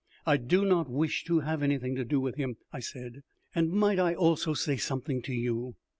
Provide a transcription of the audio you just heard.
"I do not wish to have anything to do with him," I said, "and might I also say something to you?